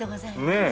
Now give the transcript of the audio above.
ねえ。